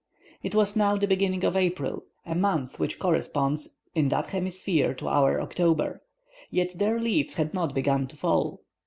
It was now the beginning of April, a month which corresponds in that hemisphere to our October, yet their leaves had not begun to fall.